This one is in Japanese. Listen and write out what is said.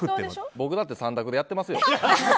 僕だって３択でやってますよ。